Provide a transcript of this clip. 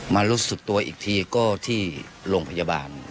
รู้สึกตัวอีกทีก็ที่โรงพยาบาล